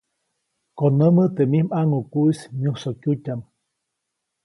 Konämä teʼ mij ʼmaŋʼukuʼis myusokyutyaʼm.